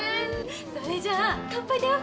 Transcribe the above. それじゃあ乾杯だよ。